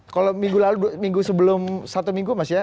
kalau minggu lalu minggu sebelum satu minggu mas ya